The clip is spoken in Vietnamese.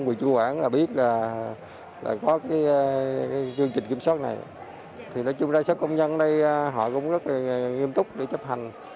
bởi vì tất cả các đơn vị trụ quản có chương trình kiểm soát này rai sất công nhân sẽ rất kiêu gọi để chấp hành